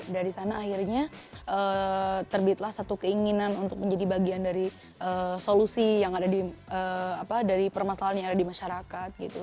dari sana akhirnya terbitlah satu keinginan untuk menjadi bagian dari solusi yang ada dari permasalahan yang ada di masyarakat gitu